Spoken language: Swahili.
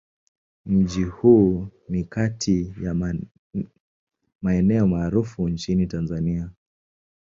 Mji huu ni kati ya maeneo maarufu nchini Tanzania.